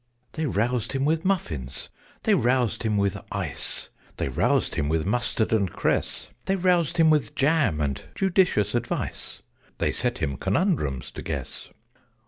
_ They roused him with muffins they roused him with ice They roused him with mustard and cress They roused him with jam and judicious advice They set him conundrums to guess.